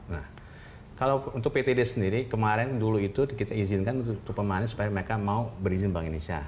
nah kalau untuk ptd sendiri kemarin dulu itu kita izinkan untuk memahami supaya mereka mau berizin bank indonesia